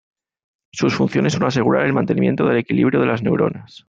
Sus funciones son asegurar el mantenimiento del equilibrio de las neuronas.